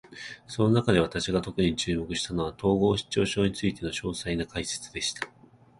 その中で、私が特に注目したのは、統合失調症についての詳細な解説でした。